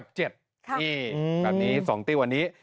แบบนี้๒ติวอันนี้